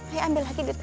ayah ambil lagi duit ayah